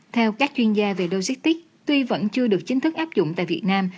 theo các chuyên gia về logistics tuy vẫn chưa được chính thức áp dụng tại việt nam